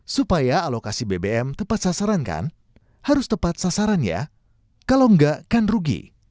supaya alokasi bbm tepat sasaran kan harus tepat sasaran ya kalau enggak kan rugi